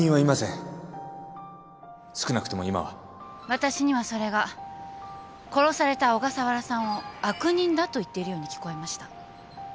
私にはそれが殺された小笠原さんを悪人だと言っているように聞こえました。